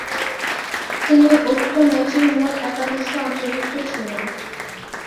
তিনি উক্ত ম্যাচের মূল একাদশে অন্তর্ভুক্ত ছিলেন।